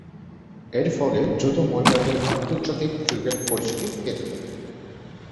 এরফলে দ্রুত মহিলাদের আন্তর্জাতিক ক্রিকেট পরিচিতি পেতে থাকে।